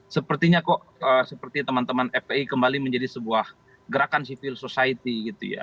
sepertinya kok seperti teman teman fpi kembali menjadi sebuah gerakan civil society gitu ya